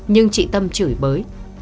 nhưng chị tâm chửi bới